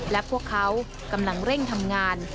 และพวกเขากำลังเร่งทำงาน